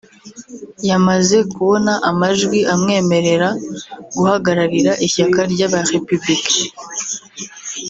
yamaze kubona amajwi amwemerera guhagararira ishyaka ry’aba-Republicain